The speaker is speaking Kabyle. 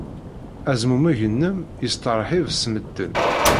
Azmumeg-nnem yesteṛḥib s medden.